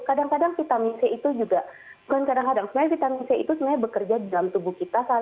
kadang kadang vitamin c itu juga bukan kadang kadang sebenarnya vitamin c itu sebenarnya bekerja di dalam tubuh kita